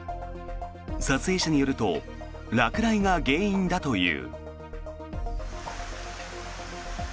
撮影者によると落雷が原因だという。